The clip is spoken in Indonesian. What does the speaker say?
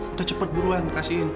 udah cepet buruan kasihin